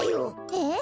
えっ？